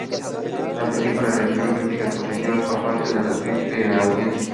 La película ha recibido críticas positivas por parte de la crítica y la audiencia.